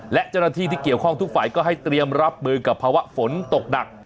และเจ้าหน้าที่ที่เกี่ยวข้องทุกฝ่ายก็ให้เตรียมรับมือกับภาวะฝนตกหนัก